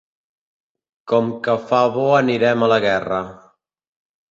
Com que fa bo anirem a la guerra.